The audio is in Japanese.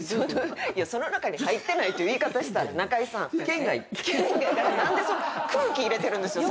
いやその中に入ってないって言い方したら中居さん。だから何で空気入れてるんですよさっきから。